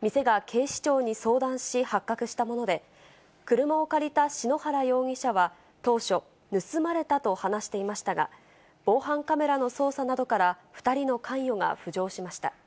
店が警視庁に相談し、発覚したもので、車を借りた篠原容疑者は当初、盗まれたと話していましたが、防犯カメラの捜査などから２人の関与が浮上しました。